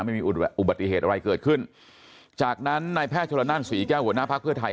ไม่มีอุบัติเหตุอะไรเกิดขึ้นจากนั้นนายแพทย์ชนละนั่นศรีแก้วหัวหน้าภักดิ์เพื่อไทย